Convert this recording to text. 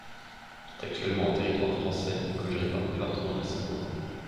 Il est actuellement en territoire français, et cogéré par le département de la Savoie.